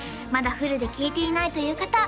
まだフルで聴いていないという方